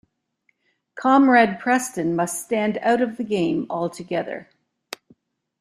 Comrade Preston must stand out of the game altogether.